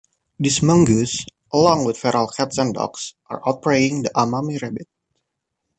This mongoose, along with feral cats and dogs, are outpreying the Amami rabbit.